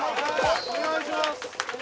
お願いします